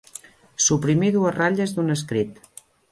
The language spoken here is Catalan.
Suprimir dues ratlles d'un escrit.